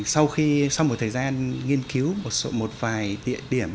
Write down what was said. sau một thời gian nghiên cứu một vài tiện